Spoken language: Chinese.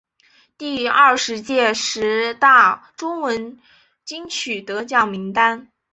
第二十届十大中文金曲得奖名单